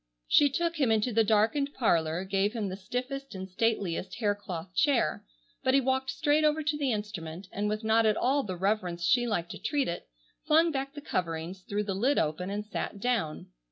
She took him into the darkened parlor, gave him the stiffest and stateliest hair cloth chair; but he walked straight over to the instrument, and with not at all the reverence she liked to treat it, flung back the coverings, threw the lid open, and sat down.